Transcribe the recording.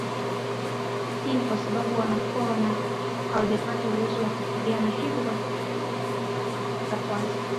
Hii ni kwasababu wanakuwa hawajapata uwezo wa kupigana hivyo kwa kipindi hiki hujifunza kwanza